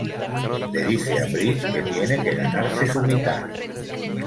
Le dice a Bridge que tiene que ganarse su mitad.